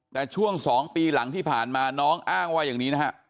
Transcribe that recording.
แต่ช่วง๒ปีหลังที่ผ่านมาน้องอ้างว่าอย่างนี้นะฮะ